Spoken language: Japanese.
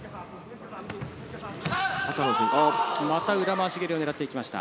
また裏回し蹴りを狙っていきました。